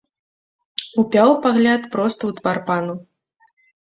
Упяў пагляд проста ў твар пану.